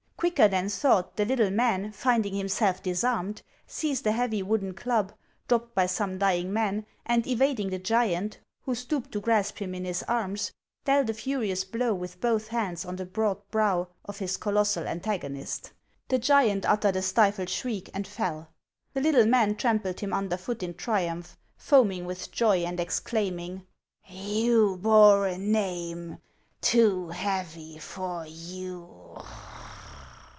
Quicker than thought, the little man, finding himself disarmed, seized a heavy wooden club, dropped by some dying man, and evading the giant, who stooped to grasp him in his arms, dealt a furious blow with both hands on the broad brow of his colossal antagonist. The giant uttered a stifled shriek, and fell. The little man trampled him under foot in triumph, foaming with joy, and exclaiming, "You bore a name too heavy for you!"